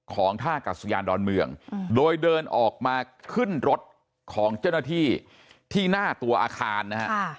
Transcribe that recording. ของท่ากัศยานดอนเมืองโดยเดินออกมาขึ้นรถของเจ้าหน้าที่ที่หน้าตัวอาคารนะฮะ